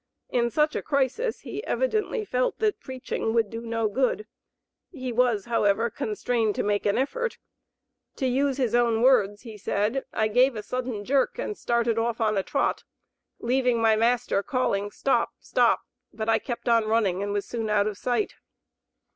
In such a crisis he evidently felt that preaching would do no good; he was, however, constrained to make an effort. To use his own words, he said: "I gave a sudden jerk and started off on a trot, leaving my master calling, 'stop! stop!' but I kept on running, and was soon out of sight."